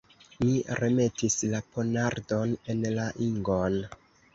Mi remetis la ponardon en la ingon.